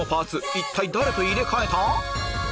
一体誰と入れ替えた？